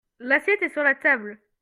l'assiette est sur la table.